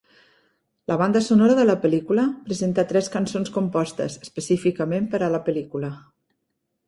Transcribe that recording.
La banda sonora de la pel·lícula presenta tres cançons compostes específicament per a la pel·lícula.